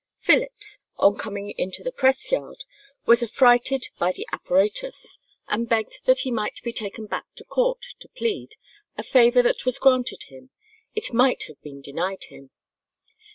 Phillips, on coming into the press yard, was affrighted by the apparatus, and begged that he might be taken back to court to plead, "a favour that was granted him; it might have been denied him."